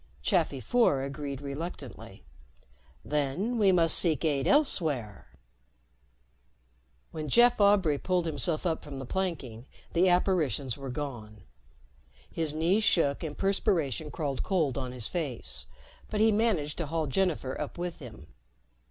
Chafi Four agreed reluctantly. "Then we must seek aid elsewhere." When Jeff Aubray pulled himself up from the planking, the apparitions were gone. His knees shook and perspiration crawled cold on his face, but he managed to haul Jennifer up with him.